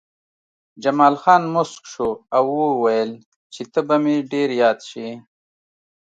جمال خان موسک شو او وویل چې ته به مې ډېر یاد شې